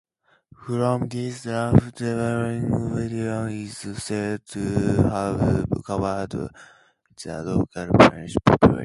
From this rough dwelling Fillan is said to have converted the local Pictish population.